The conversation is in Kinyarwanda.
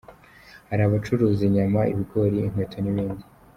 Hari abacuruza inyama, ibigori, inkweto n’ibindi.